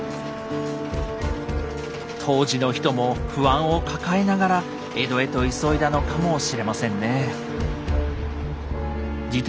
当時の人も不安を抱えながら江戸へと急いだのかもしれませんね。